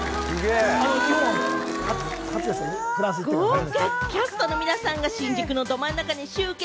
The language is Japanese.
豪華キャストの皆さんが新宿のど真ん中に集結。